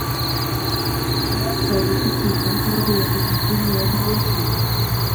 مَنْ أَكْثَرَ مِنْ ذِكْرِ الْمَوْتِ رَضِيَ مِنْ الدُّنْيَا بِالْيَسِيرِ